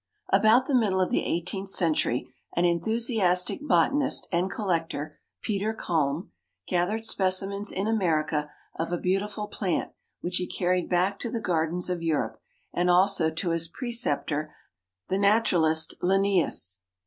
_) About the middle of the eighteenth century an enthusiastic botanist and collector, Peter Kalm, gathered specimens in America of a beautiful plant which he carried back to the gardens of Europe and also to his preceptor, the naturalist Linnaeus.